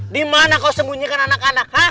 dimana kau sembunyikan anak anak